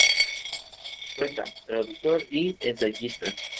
Poeta, traductor y ensayista.